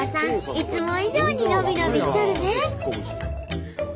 いつも以上に伸び伸びしとるね！